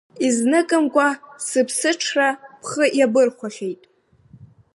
Изныкымкәа сыԥсыҽра бхы иабырхәахьеит.